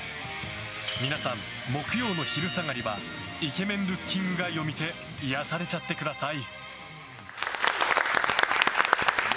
皆さん、木曜の昼下がりはイケメン・ルッキング・ガイを見て癒やされちゃってください。